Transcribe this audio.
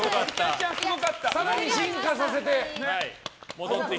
更に進化させてね。